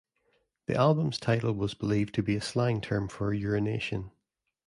The album's title was believed to be a slang term for urination.